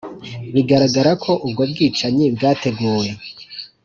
biragaragara ko ubwo bwicanyi bwateguwe